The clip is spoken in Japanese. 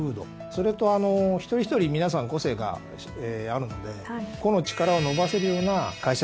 それと一人一人皆さん個性があるので個の力を伸ばせるような会社づくり